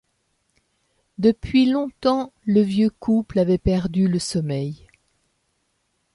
Depuis long-temps le vieux couple avait perdu le sommeil.